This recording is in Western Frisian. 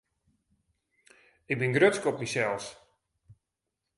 Ik bin grutsk op mysels.